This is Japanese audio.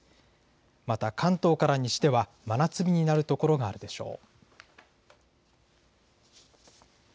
また関東から西では真夏日になる所があるでしょう。